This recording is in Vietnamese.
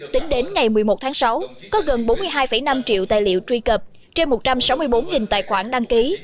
tính đến ngày một mươi một tháng sáu có gần bốn mươi hai năm triệu tài liệu truy cập trên một trăm sáu mươi bốn tài khoản đăng ký